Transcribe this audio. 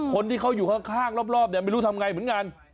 คนที่เขาอยู่ข้างรอบเนี่ยไม่รู้ทำไงเหมือนกัน